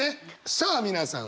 さあ皆さん